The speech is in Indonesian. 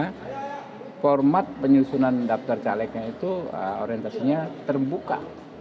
karena format penyusunan daftar calegnya itu orientasinya terbuka